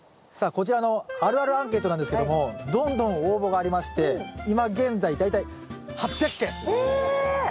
さあこちらのあるあるアンケートなんですけどもどんどん応募がありまして今現在大体え！